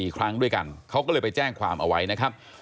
๔ครั้งด้วยกันเขาก็เลยไปแจ้งความเอาไว้นะครับ